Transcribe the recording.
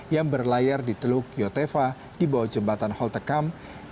yang berlayar di teluk yotefa di bawah jembatan holtecam